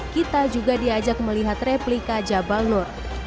kita juga diajak melihat replika jabal nur